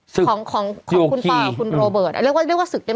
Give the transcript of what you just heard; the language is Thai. สึกโยครี